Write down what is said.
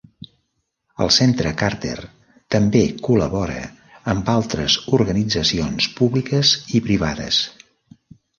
El Centre Carter també col·labora amb altres organitzacions públiques i privades.